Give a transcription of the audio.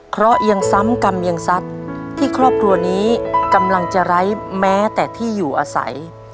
เพราะยังซ้ำกรรมยังทรัพย์ที่ครอบครัวนี้กำลังจะไร้แม้แต่ที่อยู่อาศัย